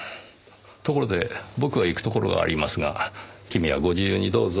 ところで僕は行くところがありますが君はご自由にどうぞ。